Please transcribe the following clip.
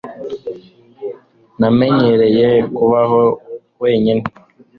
namenyereye kubaho wenyine